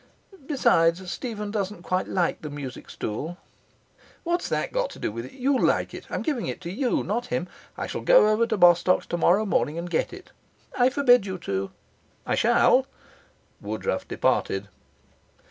'Besides, Stephen doesn't quite like the music stool.' 'What's that got to do with it? You like it. I'm giving it to you, not to him. I shall go over to Bostock's tomorrow morning and get it.' 'I forbid you to.' 'I shall.' Woodruff departed.